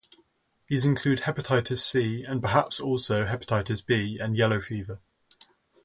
These include hepatitis C and perhaps also hepatitis B and yellow fever.